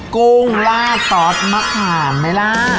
กุ้งราดซอสมะขาดเมล้า